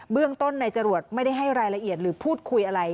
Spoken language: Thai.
เรื่องต้นนายจรวดไม่ได้ให้รายละเอียดหรือพูดคุยอะไร